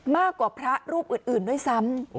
มากกว่าพระรูปอื่นด้วยซ้ำ